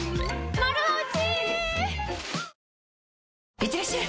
いってらっしゃい！